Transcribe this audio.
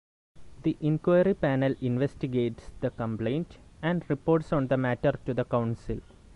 The inquiry panel investigates the complaint and reports on the matter to the Council.